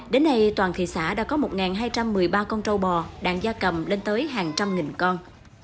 đến nay toàn thị xã đã có một hai trăm một mươi ba con trâu bò đạn da cầm lên tới hàng trăm nghìn con